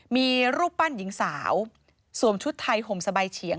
มีรูปปั้นหญิงสาวสวมชุดไทยห่มสบายเฉียง